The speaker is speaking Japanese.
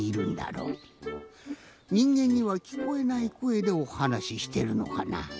にんげんにはきこえないこえでおはなししてるのかな。